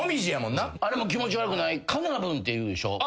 あれも気持ち悪くない？って言うでしょ？